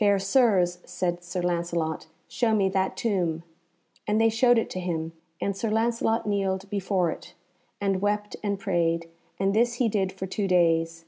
"Fair Sirs," said Sir Lancelot, "show me that tomb;" and they showed it to him, and Sir Lancelot kneeled before it, and wept and prayed, and this he did for two days.